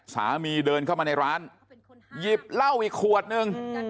เดินเข้ามาในร้านหยิบเหล้าอีกขวดนึง